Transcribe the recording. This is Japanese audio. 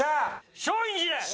松陰寺で！